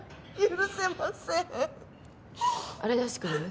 あれ出してくれる？